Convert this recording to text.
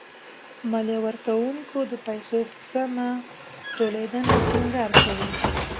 ماليه ورکوونکي د پيسو په سمه ټولېدنه ټېنګار کوي.